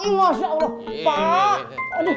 masya allah pak